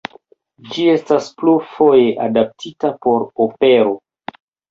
Ĝi estas plurfoje adaptita por opero.